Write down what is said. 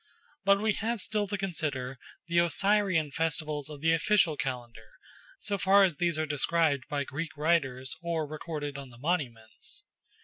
But we have still to consider the Osirian festivals of the official calendar, so far as these are described by Greek writers or recorded on the monuments.